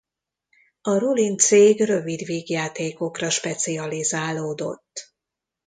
A Rolin cég rövid vígjátékokra specializálódott.